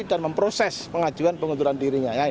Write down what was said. dan memproses pengajuan pengunduran dirinya